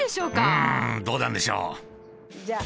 うんどうなんでしょう。